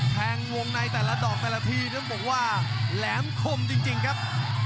วงในแต่ละดอกแต่ละทีต้องบอกว่าแหลมคมจริงครับ